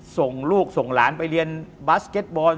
ส่งลูกส่งหลานไปเรียนบาสเก็ตบอล